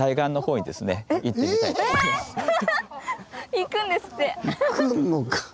行くんですって。